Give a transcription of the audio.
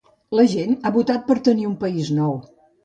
La gent ha votat per tenir un país nou.